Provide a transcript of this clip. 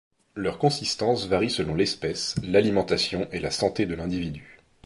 Leur consistance varie selon l'espèce, l'alimentation et la santé de l'individu.